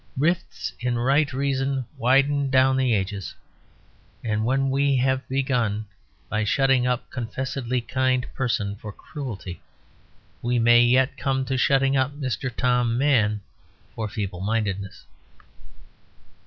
Rifts in right reason widen down the ages. And when we have begun by shutting up a confessedly kind person for cruelty, we may yet come to shutting up Mr. Tom Mann for feeblemindedness.